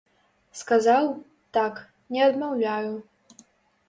Сказаў, так, не адмаўляю.